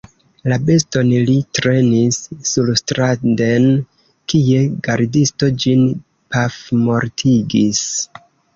La beston li trenis surstranden, kie gardisto ĝin pafmortigis.